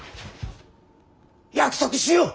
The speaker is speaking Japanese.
約束しよう。